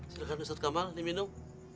silahkan ust kamal ini minum